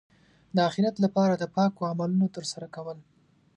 د اخرت لپاره د پاکو عملونو ترسره کول.